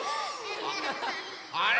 あれ？